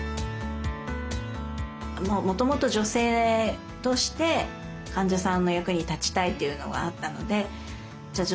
もともと女性として患者さんの役に立ちたいというのがあったのでじゃあ